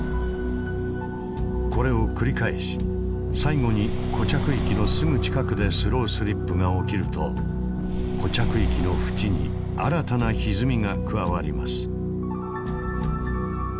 これを繰り返し最後に固着域のすぐ近くでスロースリップが起きると固着域の縁に新たなひずみが加わります。